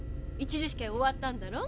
１次試験終わったんだろ？